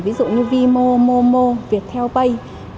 ví dụ như vmomo viettel pay